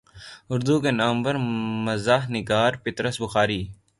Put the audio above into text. اردو کے نامور مزاح نگار پطرس بخاری